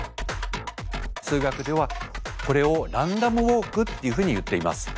数学ではこれをランダムウォークっていうふうにいっています。